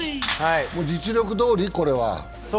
実力どおり、これは？